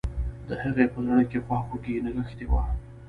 د هغې په زړه کې خواخوږي نغښتي وه